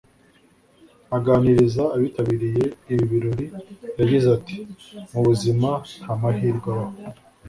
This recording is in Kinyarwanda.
Aganiriza abitabiriye ibi birori yagize ati “ Mu buzima nta mahirwe abaho